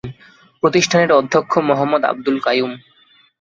প্রতিষ্ঠানের অধ্যক্ষ মোহাম্মদ আবদুল কাইয়ুম।